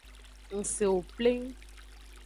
Ngsewo pleng.